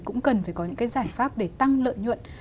cũng cần phải có những cái giải pháp để tăng lợi nhuận